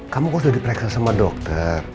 kamu kok sudah diperiksa sama dokter